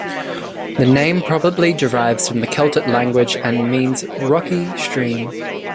The name probably derives from the Celtic language and means "rocky stream".